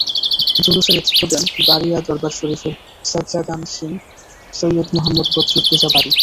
জুলুসে নেতৃত্ব দেন বারীয়া দরবার শরিফের সাজ্জাদানশীন সৈয়দ মুহাম্মদ বদরুদ্দোজা বারী।